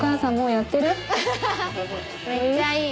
めっちゃいい。